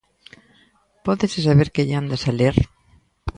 Pódese saber que lle andas a ler?